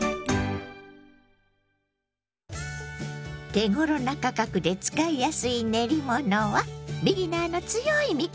手ごろな価格で使いやすい練り物はビギナーの強い味方。